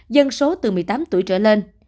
dân số từ một mươi tám tuổi trở lên